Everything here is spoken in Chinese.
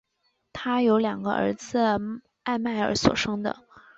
她有两个儿子艾麦尔所生的。